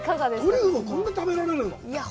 トリュフをこんな食べられるの？